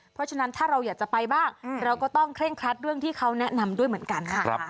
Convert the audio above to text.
เพราะฉะนั้นถ้าเราอยากจะไปบ้างเราก็ต้องเคร่งครัดเรื่องที่เขาแนะนำด้วยเหมือนกันนะคะ